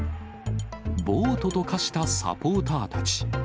暴徒と化したサポーターたち。